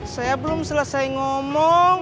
saya belum selesai ngomong